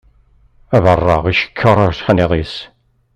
Abaṛeɣ icekkeṛ ajeḥniḍ-is.